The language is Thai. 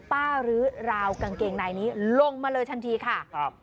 หรือราวกางเกงในนี้ลงมาเลยทันทีค่ะครับ